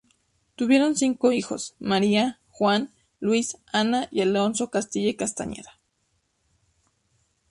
Tuvieron cinco hijos: María, Juan, Luis, Ana y Alonso Castilla y Castañeda.